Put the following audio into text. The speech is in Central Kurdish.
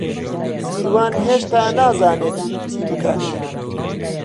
سیروان هێشتا نازانێت چی بکات.